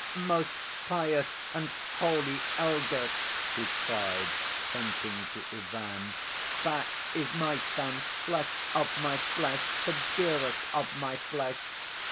"Most pious and holy elder," he cried, pointing to Ivan, "that is my son, flesh of my flesh, the dearest of my flesh!